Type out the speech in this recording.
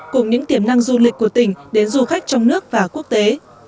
cùng những tiềm năng du lịch của tỉnh đến du khách trong nước và quốc tế